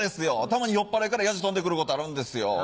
たまに酔っぱらいからやじ飛んで来ることあるんですよ。